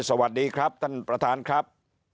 สวัสดีครับท่านประธานครับ